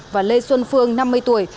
và lê xuân phương năm mươi tuổi